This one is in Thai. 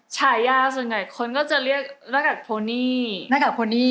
ฉายาส่วนใหญ่คนก็จะเรียกน้ากากโพนี่